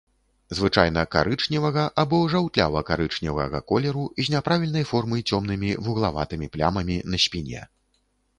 Звычайна карычневага або жаўтлява-карычневага колеру з няправільнай формы цёмнымі вуглаватымі плямамі на спіне.